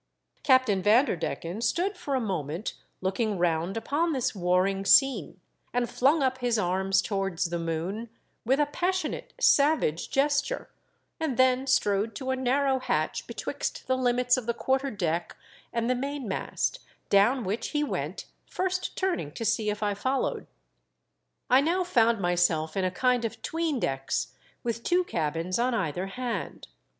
Captain Vanderdecken stood for a moment looking round upon this warring scene, and flung up his arms towards the moon with a passionate savage gesture, and then strode to a narrow hatch betwixt the limits of the quarter deck and the mainmast, down which he went, first turning to see if I followed. I now found myself in a kind of 'tween decks, with two cabins on either hand.